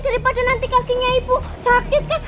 daripada nanti kakinya ibu sakit